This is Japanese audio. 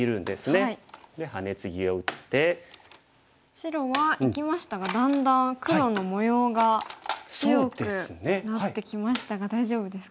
白は生きましたがだんだん黒の模様が強くなってきましたが大丈夫ですか？